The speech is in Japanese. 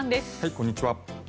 こんにちは。